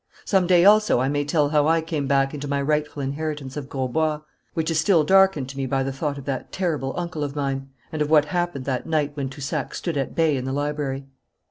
Some day also I may tell how I came back into my rightful inheritance of Grosbois, which is still darkened to me by the thought of that terrible uncle of mine, and of what happened that night when Toussac stood at bay in the library.